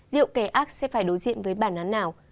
liệu kề ác sẽ phải đối diện với bản án nào